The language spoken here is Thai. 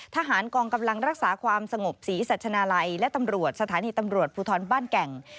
ทหารกองกำลังรักษาความสงบศรีสัชนาลัยและตำรวจสถานีตำรวจภูทรบ้านแก่ง